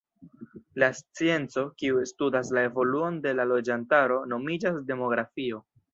La scienco, kiu studas la evoluon de la loĝantaro nomiĝas demografio.